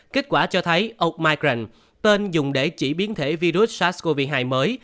kết quả cho thấy omicron tên dùng để chỉ biến thể virus sars cov hai mới